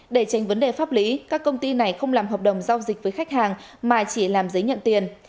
để tránh vấn đề pháp lý các công ty này không làm hợp đồng giao dịch với khách hàng mà chỉ làm giấy nhận tiền